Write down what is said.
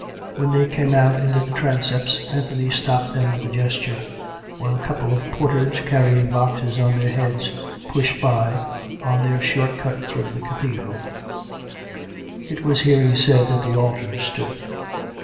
When they came out into the transepts, Anthony stopped them with a gesture, while a couple of porters, carrying boxes on their heads, pushed by, on their short cut through the cathedral. " It was there," he said, " that the altars stood."